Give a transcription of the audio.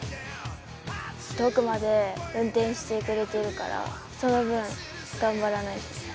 遠くまで運転してくれてるから、その分、頑張らないと。